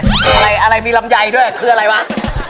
อะไรอะไรมีลำไยด้วยคืออะไรวะ